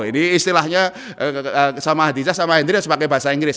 ini istilahnya sama hadijah sama hendrius pakai bahasa inggris